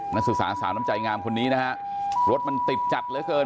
นักศึกษาสาวน้ำใจงามคนนี้นะฮะรถมันติดจัดเหลือเกิน